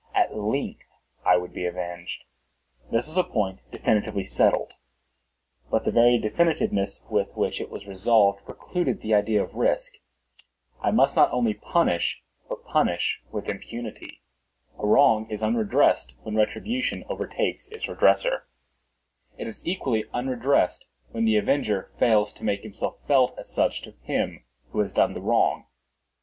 At length I would be avenged; this was a point definitively settled—but the very definitiveness with which it was resolved, precluded the idea of risk. I must not only punish, but punish with impunity. A wrong is unredressed when retribution overtakes its redresser. It is equally unredressed when the avenger fails to make himself felt as such to him who has done the wrong.